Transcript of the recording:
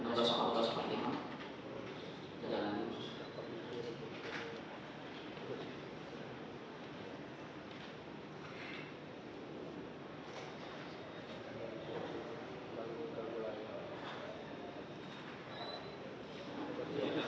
dengan tekanan dia ini dengan memegang keras